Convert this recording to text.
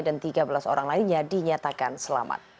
dan tiga belas orang lainnya dinyatakan selamat